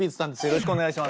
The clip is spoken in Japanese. よろしくお願いします。